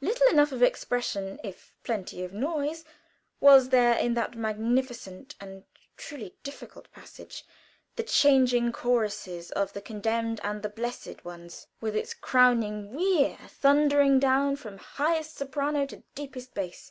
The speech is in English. Little enough of expression, if plenty of noise, was there in that magnificent and truly difficult passage, the changing choruses of the condemned and the blessed ones with its crowning "WEH!" thundering down from highest soprano to deepest bass.